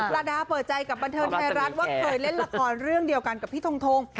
ดาดาเปิดใจกับบันเทิงไทยรัฐว่าเคยเล่นละครเรื่องเดียวกันกับพี่ทง